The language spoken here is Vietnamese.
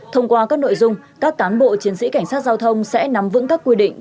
thông qua các nội dung các cán bộ chiến sĩ cảnh sát giao thông sẽ nắm vững các quy định